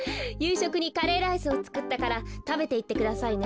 しょくにカレーライスをつくったからたべていってくださいね。